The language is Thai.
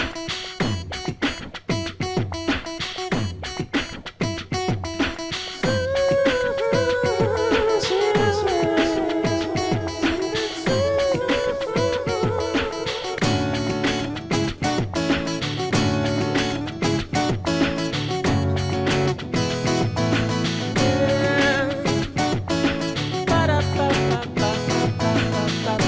ฟังเชียวนี้สุดท้ายฟัง